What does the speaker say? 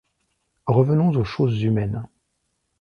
Revenons aux choses humaines.